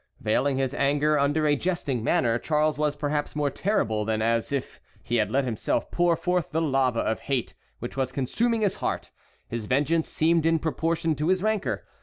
Veiling his anger under a jesting manner, Charles was perhaps more terrible than as if he had let himself pour forth the lava of hate which was consuming his heart; his vengeance seemed in proportion to his rancor.